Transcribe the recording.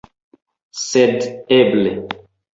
Sed eble...